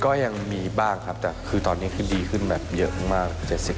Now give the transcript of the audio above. ก็ยังมีบ้างครับแต่คือตอนนี้คือดีขึ้นแบบเยอะมาก๗๐